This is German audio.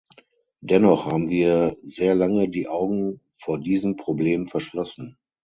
Dennoch haben wir sehr lange die Augen vor diesem Problem verschlossen.